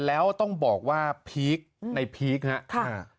แล้วต้องบอกว่าพีคในพีคครับ